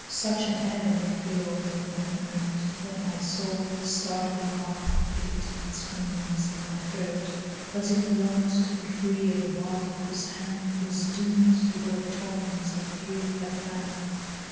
such an agony thrill'd in that note, That my soul, startling up, beat its wings in my throat, As it long'd to be free of a body whose hand Was doom'd to work torments a Fury had plann'd!